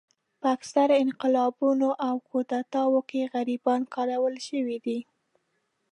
په اکثره انقلابونو او کودتاوو کې غریبان کارول شوي دي.